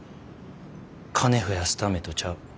金増やすためとちゃう。